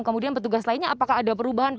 kemudian petugas lainnya apakah ada perubahan pak